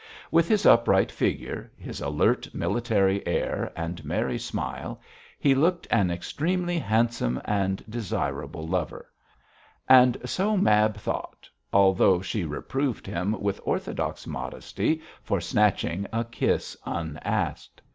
With his upright figure, his alert military air, and merry smile, he looked an extremely handsome and desirable lover; and so Mab thought, although she reproved him with orthodox modesty for snatching a kiss unasked.